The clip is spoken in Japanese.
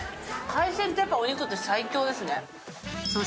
海鮮ってやっぱり最強ですね。